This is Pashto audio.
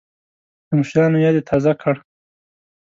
د مشرانو یاد یې تازه کړ.